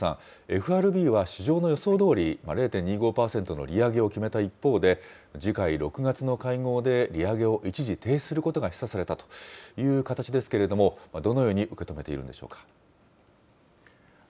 ＦＲＢは市場の予想どおり、０．２５％の利上げを決めた一方で、次回６月の会合で、利上げを一時停止することが示唆されたという形ですけれども、どのように受け止めているんでしょうか。